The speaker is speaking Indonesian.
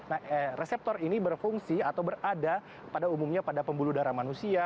nah reseptor ini berfungsi atau berada pada umumnya pada pembuluh darah manusia